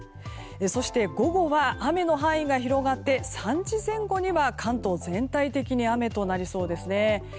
そして、午後は雨の範囲が広がって３時前後には、関東全体的に雨となりそうですね。